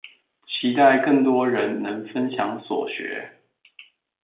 期待更多人能分享所學